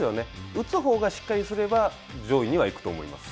打つほうがしっかりすれば、上位には行くと思います。